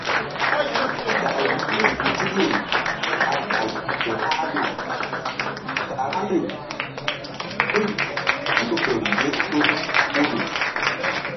Gay nzi-nzikri ɓa gay fe hahna karaŋri guy mí ƴo ye tul hul.